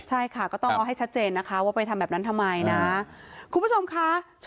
ใช่ค่ะก็ต้องเอาให้ชัดเจนนะคะว่าไปทำแบบนั้นทำไมนะ